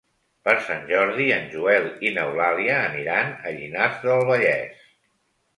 Per Sant Jordi en Joel i n'Eulàlia aniran a Llinars del Vallès.